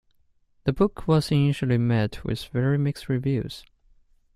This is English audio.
The book was initially met with very mixed reviews.